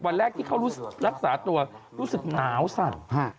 วันแรกที่เขารักษาตัวรู้สึกหนาวสั่น